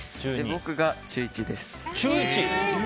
僕が中１です。